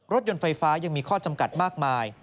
รถยนต์ไฟฟ้ายังมีข้อจำกัดมากมาย